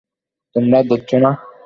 তোমরা দেখছো না?